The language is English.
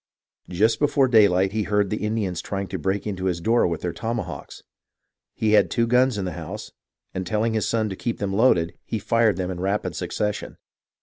Just before daylight he heard the Indians trying to break in his door with their tomahawks. He had two guns in the house, and telling his son to keep them loaded, he fired them in rapid succession.